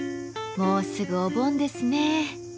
もうすぐお盆ですね。